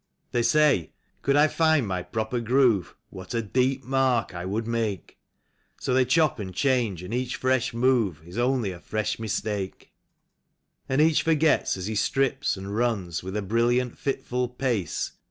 They say :" Could I find my proper groove. What a deep mark I would make !" So they chop and change, and each fresh move Is only a fresh mistake. 48 THE MEN THAT DON'T FIT IN. And each forgets, as he strips and runs. With a brilliant, fitful pace.